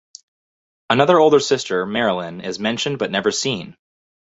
Another older sister, Marilyn, is mentioned but never seen.